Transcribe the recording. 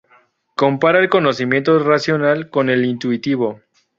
Compara el conocimiento racional con el intuitivo.